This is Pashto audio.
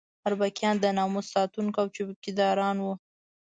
اربکیان د ناموس ساتونکي او څوکیداران وو.